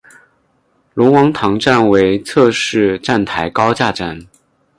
龙王塘站为侧式站台高架站。